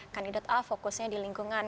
kandidat a fokusnya di lingkungan